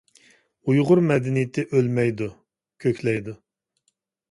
ئۇيغۇر مەدەنىيىتى ئۆلمەيدۇ، كۆكلەيدۇ!